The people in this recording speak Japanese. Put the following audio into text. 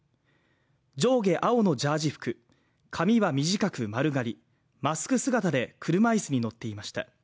上下青のジャージ服、髪は短く丸刈り、マスク姿で車椅子に乗っていました。